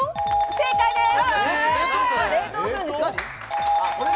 正解です。